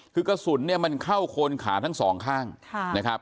คือกระสุนเนี่ยมันเข้าโคนขาทั้งสองข้างนะครับ